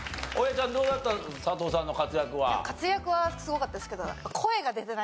大家ちゃん活躍はすごかったですけど。